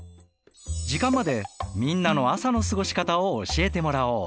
時間までみんなの朝の過ごし方を教えてもらおう。